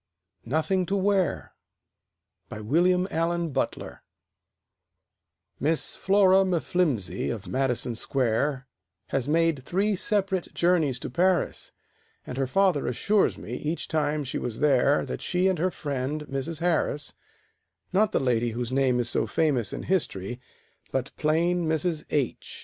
NOTHING TO WEAR BY WILLIAM ALLEN BUTLER Miss Flora M'Flimsey, of Madison Square, Has made three separate journeys to Paris, And her father assures me, each time she was there, That she and her friend, Mrs. Harris (Not the lady whose name is so famous in history, But plain Mrs. H.